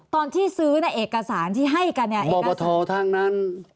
ตอนที่ซื้อเอกสารที่ให้มีก็มีก็มีบอร์บาทอทั้งนั้น